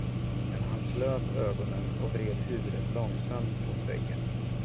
Men han slöt ögonen och vred huvudet långsamt mot väggen.